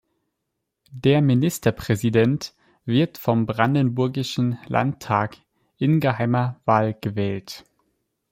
Der Ministerpräsident wird vom brandenburgischen Landtag in geheimer Wahl gewählt.